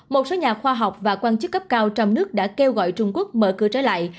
một số nhà khoa học và quan chức cấp cao trong nước đã kêu gọi trung quốc mở cửa trở lại